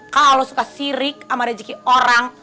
kalau lo suka sirik sama rezeki orang